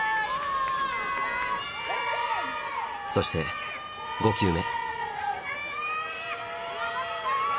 そして５球目。